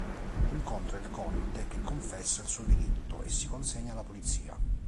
Incontra il conte che confessa il suo delitto e si consegna alla polizia.